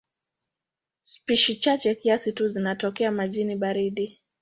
Spishi chache kiasi tu zinatokea majini baridi.